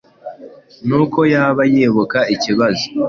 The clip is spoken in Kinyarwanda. nuko yaba yibuka ibibazo